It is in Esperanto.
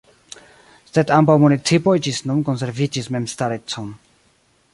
Sed ambaŭ municipoj ĝis nun konserviĝis memstarecon.